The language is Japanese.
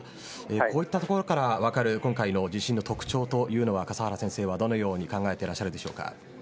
こういったところから分かる今回の地震の特徴というのは笠原先生はどのように考えていらっしゃるでしょうか。